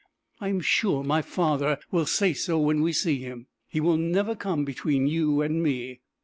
I am sure my father will say so when we see him. He will never come between you and me."